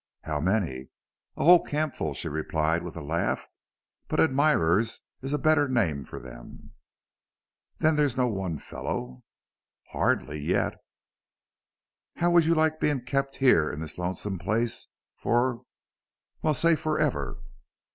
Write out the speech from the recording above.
"How many?" "A whole campful," she replied, with a laugh, "but admirers is a better name for them." "Then there's no one fellow?" "Hardly yet." "How would you like being kept here in this lonesome place for well, say for ever?"